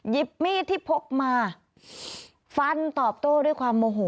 มีดที่พกมาฟันตอบโต้ด้วยความโมโห